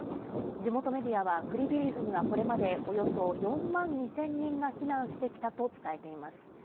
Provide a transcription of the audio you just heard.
地元メディアは、クリビリフにはこれまでおよそ４万２０００人が避難してきたと伝えています。